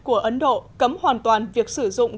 của ấn độ cấm hoàn toàn việc sử dụng